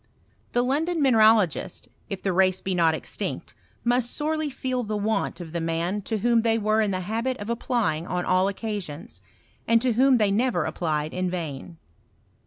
The London mineralogists if the race be not extinct, must sorely feel the want of the man to whom they were in the habit of applying on all occasions, and to whom they never applied in vain.